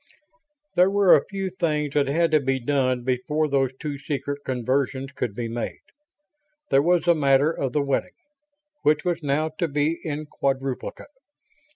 There were a few things that had to be done before those two secret conversions could be made. There was the matter of the wedding, which was now to be in quadruplicate.